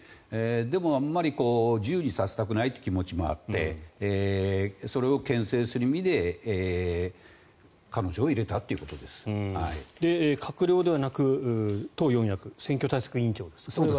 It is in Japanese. でもあまり自由にさせたくないという気持ちもあってそれをけん制する意味で閣僚ではなく党四役、選挙対策委員長です。